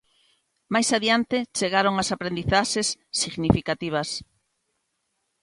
Máis adiante chegaron as aprendizaxes significativas.